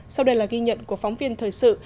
sau đây là ghi nhận của phóng viên thời sự